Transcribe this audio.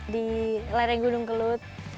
di lare gunung kelut